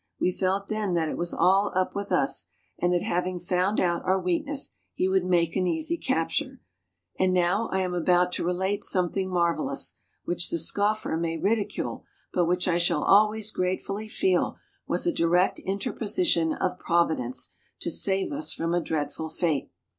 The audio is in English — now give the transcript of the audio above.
We felt then, that it was all up with us, and that having found out our weakness, he would make an easy capture. And now I am about to SKETCHES OF TRAVEL relate something marvelous, which the scoffer may ridicule, but which I shall always gratefully feel was a direct inter position of Providence to save us from a dreadful fate.